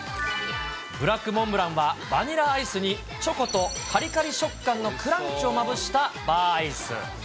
ブラックモンブランはバニラアイスに、チョコとかりかり食感のクランチをまぶしたバーアイス。